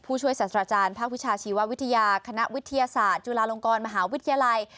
ผู้ช่วยศาสตราจารย์ภาควิชาชีววิทยาคณะวิทยาศาสตร์จุฬาลงกรมหาวิทยาลัย